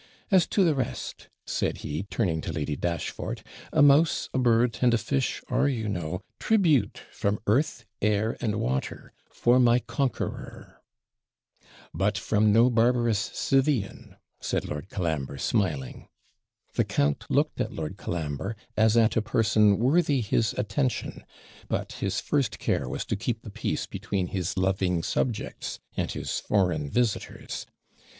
As to the rest,' said he, turning to Lady Dashfort, 'a mouse, a bird, and a fish, are, you know, tribute from earth, air, and water, for my conqueror ' 'But from no barbarous Scythian!' said Lord Colambre, smiling. The count looked at Lord Colambre, as at a person worthy his attention; but his first care was to keep the peace between his loving subjects and his foreign visitors.